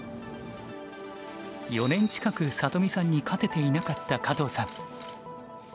４年近く里見さんに勝てていなかった加藤さん。